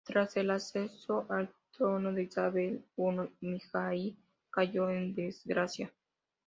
Tras el ascenso al trono de Isabel I, Mijaíl cayó en desgracia.